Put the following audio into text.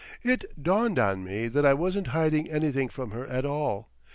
It dawned on me that I wasn't hiding anything from her at all.